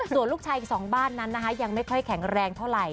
ส่วนลูกชายอีกสองบ้านนั้นนะคะยังไม่ค่อยแข็งแรงเท่าไหร่